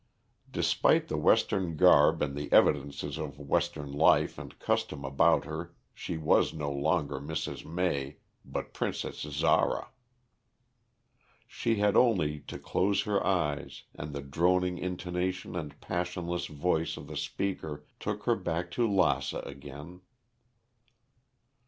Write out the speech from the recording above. Despite the Western garb and the evidences of Western life and custom about her, she was no longer Mrs. May, but Princess Zara. She had only to close her eyes and the droning intonation and passionless voice of the speaker took her back to Lassa again.